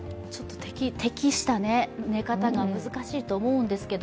適した寝方が難しいと思うんですけど。